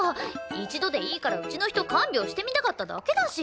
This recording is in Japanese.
一度でいいからうちの人看病してみたかっただけだし。